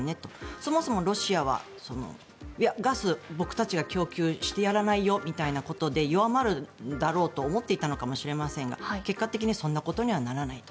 そもそもロシアはガス、僕たちが供給してやらないよみたいなことで弱まるんだろうと思っていたのかもしれませんが結果的にそんなことにはならないと。